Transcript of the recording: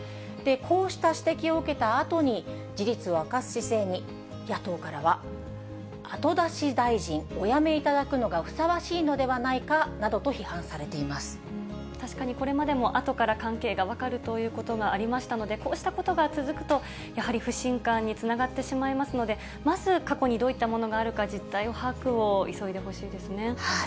こうした指摘を受けたあとに事実を明かす姿勢に、野党からは、後出し大臣、お辞めいただくのがふさわしいのではないかなどと批確かに、これまでも、あとから関係が分かるということがありましたので、こうしたことが続くと、やはり不信感につながってしまいますので、まず、過去にどういったものがあるか、実態把握を急いでほしいですね。